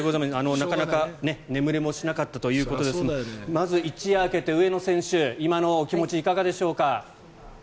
なかなか眠れもしなかったということでまず、一夜明けて上野選手、今のお気持ちいかがでしょうか？